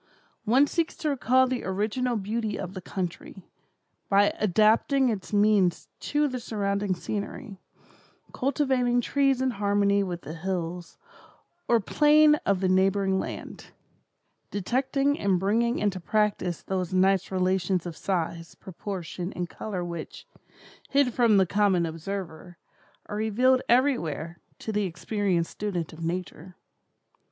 One seeks to recall the original beauty of the country, by adapting its means to the surrounding scenery; cultivating trees in harmony with the hills or plain of the neighboring land; detecting and bringing into practice those nice relations of size, proportion and color which, hid from the common observer, are revealed everywhere to the experienced student of nature.